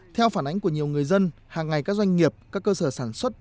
theo phản ánh của nhiều người dân hàng ngày các doanh nghiệp các cơ sở sản xuất